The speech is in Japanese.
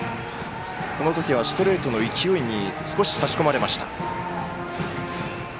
その時はストレートの勢いに少し差し込まれました。